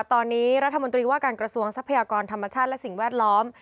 ตอนนี้รัฐมนตรีว่าการกระทรวงทรัพยากรธรรมชาติและสิ่งแวดล้อม